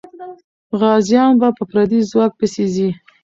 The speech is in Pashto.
غازيان په پردي ځواک پسې ځي.